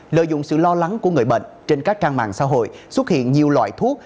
lợi dụng sự lo lắng của người bệnh trên các trang mạng xã hội xuất hiện nhiều loại thuốc